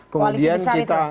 koalisi besar itu